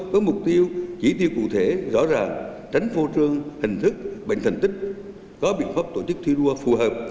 với mục tiêu chỉ tiêu cụ thể rõ ràng tránh phô trương hình thức bệnh thành tích có biện pháp tổ chức thi đua phù hợp